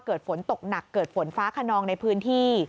เกิดฝนตกหนักเกิดฝนฟ้าขนองในพื้นที่